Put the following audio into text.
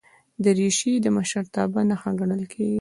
دریشي د مشرتابه نښه ګڼل کېږي.